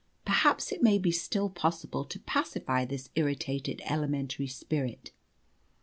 Perhaps it may be still possible to pacify this irritated elementary spirit.